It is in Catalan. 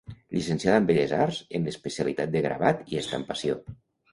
Llicenciada en Belles Arts, en l'especialitat de gravat i estampació.